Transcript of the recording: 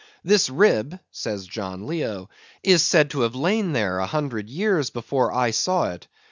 This Rib (says John Leo) is said to have layn there a hundred Years before I saw it.